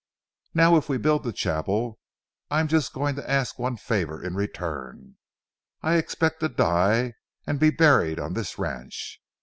Now, if we build the chapel, I'm just going to ask one favor in return: I expect to die and be buried on this ranch.